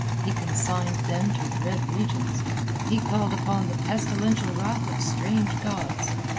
He consigned them to red regions; he called upon the pestilential wrath of strange gods.